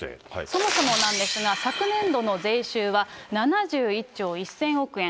そもそもなんですが、昨年度の税収は７１兆１０００億円。